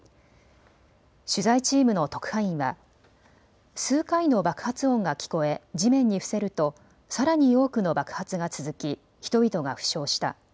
取材チームの特派員は数回の爆発音が聞こえ、地面に伏せるとさらに多くの爆発が続き人々が負傷した。